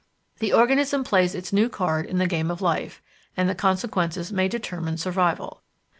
The organism plays its new card in the game of life, and the consequences may determine survival.